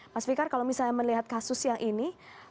mas fikar kalau misalnya melihat kasus yang ini